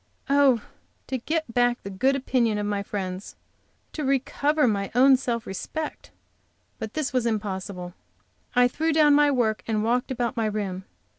Oh, to get back the good opinion of my friends! To recover my own self respect! But this was impossible. I threw down my work and walked about my room.